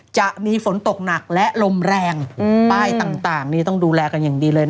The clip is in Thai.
จะมีฝนตกหนักและลมแรงป้ายต่างนี่ต้องดูแลกันอย่างดีเลยนะ